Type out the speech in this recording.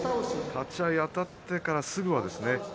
立ち合いあたってからすぐですね